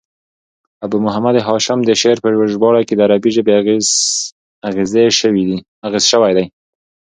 ابو محمد هاشم د شعر په ژباړه کښي د عربي ژبي اغېزې سوي دي.